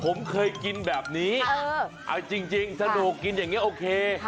ผมเคยกินแบบนี้เอาจริงสนุกกินอย่างนี้โอเค